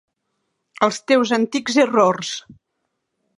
Els teus antics errors.